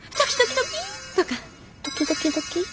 ドキドキドキ。